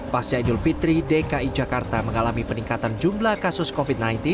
pas jai yul fitri dki jakarta mengalami peningkatan jumlah kasus covid sembilan belas